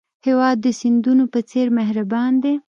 هېواد د سیندونو په څېر مهربان دی.